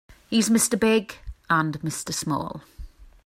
He's Mr. Big and Mr. Small.